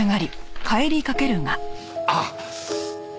あっ！